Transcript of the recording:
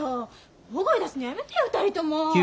大声出すのやめてよ２人とも。